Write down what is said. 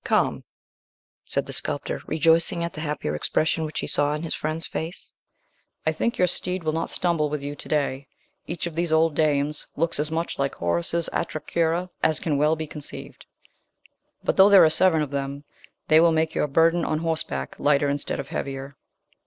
"Come," said the sculptor, rejoicing at the happier expression which he saw in his friend's face. "I think your steed will not stumble with you to day. Each of these old dames looks as much like Horace's Atra Cura as can well be conceived; but, though there are seven of them, they will make your burden on horseback lighter instead of heavier."